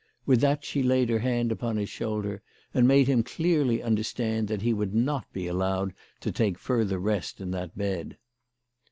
With that she laid her hand upon his shoulder, and made him clearly understand that he would not be allowed to take further rest in that bed.